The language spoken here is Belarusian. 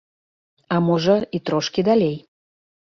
А можа, і трошкі далей.